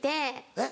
えっ？